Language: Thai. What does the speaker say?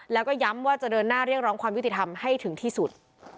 แล้วก็ย้ำว่าจะเดินหน้าเรียกร้องความยุติธรรมให้ถึงที่สุด